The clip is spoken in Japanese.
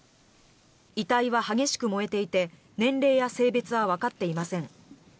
遺体は激しく燃えていて年齢や性別はわかっていません。